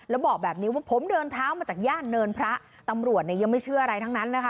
แล้วบอกแบบนี้ว่าผมเดินเท้ามาจากย่านเนินพระตำรวจเนี่ยยังไม่เชื่ออะไรทั้งนั้นนะคะ